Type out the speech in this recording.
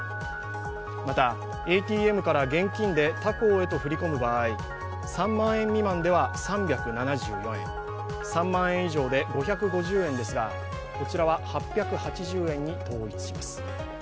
また、ＡＴＭから現金で他行へと振り込む場合、３万円未満では３７４円３万円以上で５５０円ですが、こちらは８８０円に統一します。